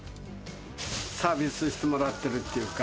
サービスしてもらっているっていうか。